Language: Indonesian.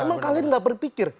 emang kalian gak berpikir